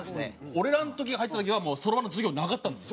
俺らの時入った時はもうそろばんの授業なかったんですよ。